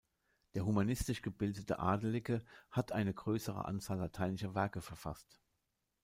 Der humanistisch gebildete Adelige hat eine größere Anzahl lateinischer Werke verfasst.